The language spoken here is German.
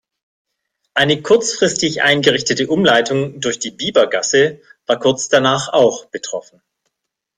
Eine kurzfristig eingerichtete Umleitung durch die Biebergasse war kurz danach auch betroffen.